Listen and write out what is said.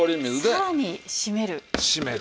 さらに締める。